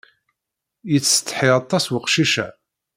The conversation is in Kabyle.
Yettsetḥi aṭas weqcic-a.